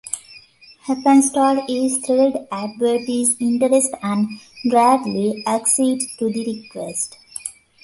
Heppenstall is thrilled at Bertie's interest and gladly accedes to the request.